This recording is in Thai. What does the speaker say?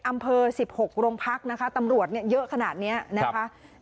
๑๖โรงพักนะคะตำรวจเนี่ยเยอะขนาดนี้นะคะ